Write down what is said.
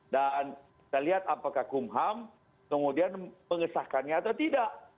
dan kita lihat apakah kumham kemudian mengesahkannya atau tidak